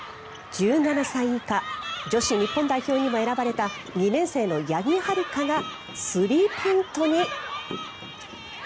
１７歳以下女子日本代表にも選ばれた２年生の八木悠香がスリーポイントに。